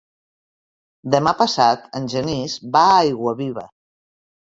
Demà passat en Genís va a Aiguaviva.